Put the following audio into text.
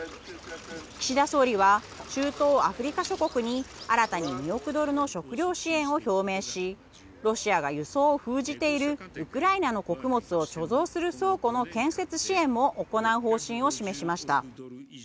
岸田総理は中東・アフリカ諸国に新たに２億ドルの食料支援を表明しロシアが輸送を封じているウクライナの穀物を貯蔵する倉庫の建設支援も行う方針を示しました。